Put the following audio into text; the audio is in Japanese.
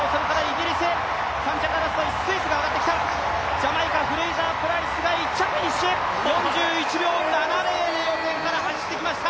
ジャマイカ、フレイザープライスが１着フィニッシュ、４１秒７０で予選から走ってきました！